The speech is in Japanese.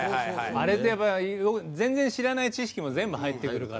あれで全然知らない知識も全部入ってくるから。